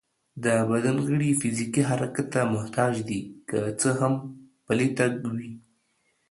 د بدن غړي فزيکي حرکت ته محتاج دي، که څه هم پلی تګ وي